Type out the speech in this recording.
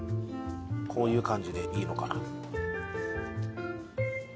こういう感じでいいのかな？